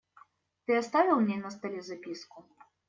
Ты оставил мне на столе записку?